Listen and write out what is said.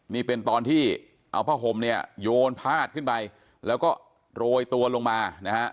นี่เป็นตอนที่เอาผ้าห่มเนี่ยโยนพาดขึ้นไปแล้วก็โรยตัวลงมานะฮะ